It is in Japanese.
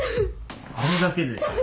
あれだけでかよ。